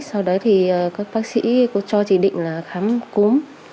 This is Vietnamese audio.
sau đấy thì các bác sĩ cho chỉ định là khám cúm